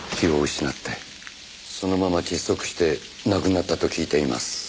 そのまま窒息して亡くなったと聞いています。